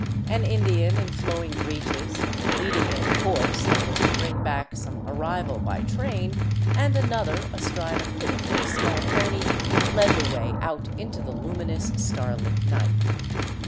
An Indian in flowing breeches, leading a horse " that was to bring back some ar rival by train, and another astride a pitifully small pony, led the way out into the luminous star lit night.